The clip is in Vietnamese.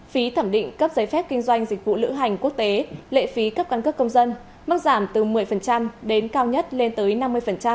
phí thẩm định cấp giấy phép kinh doanh dịch vụ lữ hành quốc tế lệ phí cấp căn cước công dân mức giảm từ một mươi đến cao nhất lên tới năm mươi